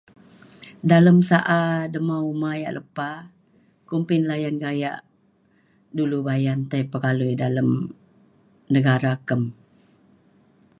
dalem sa um dema uman ya' lepa kumpin layan gayak dulu bayan tai pekaliu dalem negara kem.